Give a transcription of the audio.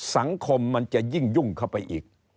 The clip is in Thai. มันจะยิ่งยุ่งเข้าไปอีก